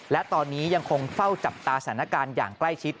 และตอนนี้ยังคงเฝ้าจับตาสถานการณ์อย่างใกล้ชิด